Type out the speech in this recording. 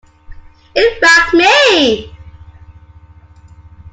It racked me!